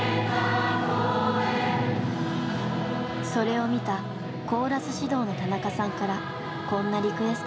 それを見たコーラス指導の田中さんからこんなリクエストが。